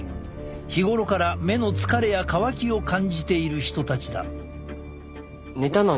日頃から目の疲れや乾きを感じている人たちだ。